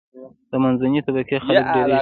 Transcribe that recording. د منځنۍ طبقی خلک ډیریږي.